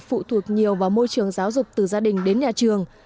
phụ thuộc nhiều vào môi trường giáo dục từ gia đình đến nhà trường